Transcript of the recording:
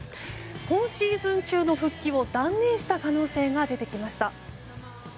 今シーズン中の復帰を断念した可能性が出てきました。